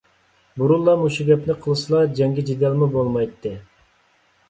بۇرۇنلا مۇشۇ گەپنى قىلسىلا جەڭگى - جېدەلمۇ بولمايتتى.